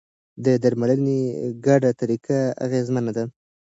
د درملنې ګډه طریقه اغېزمنه ده.